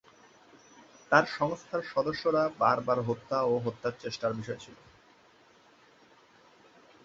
তার সংস্থার সদস্যরা বারবার হত্যা ও হত্যার চেষ্টার বিষয় ছিল।